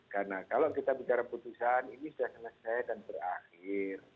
karena kalau kita bicara keputusan ini sudah selesai dan berakhir